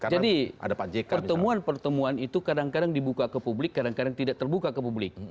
jadi pertemuan pertemuan itu kadang kadang dibuka ke publik kadang kadang tidak terbuka ke publik